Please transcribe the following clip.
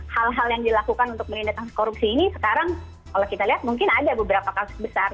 hal hal yang dilakukan untuk menindakan korupsi ini sekarang kalau kita lihat mungkin ada beberapa kasus besar